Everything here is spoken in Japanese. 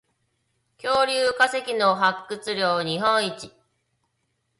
恐竜化石の発掘量日本一